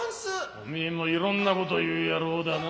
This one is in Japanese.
お前もいろんなこと言う野郎だな。